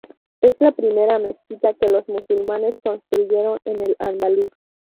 Es la primera mezquita que los musulmanes construyeron en al-Andalus.